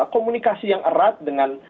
komunikasi yang erat dengan